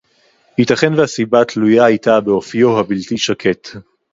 יִתָּכֵן וְהַסִּבָּה תְּלוּיָה הָיְתָה בְּאָפְיוֹ הַבִּלְתִּי שָׁקֵט